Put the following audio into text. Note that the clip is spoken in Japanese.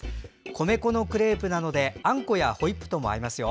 米粉のクレープなのであんこやホイップとも合いますよ。